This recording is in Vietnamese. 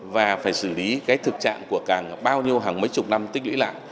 và phải xử lý cái thực trạng của càng bao nhiêu hàng mấy chục năm tích lũy lạng